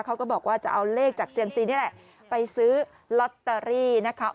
เขาก็บอกว่าจะเอาเลขจากเซียมซีนี่แหละไปซื้อลอตเตอรี่นะคะ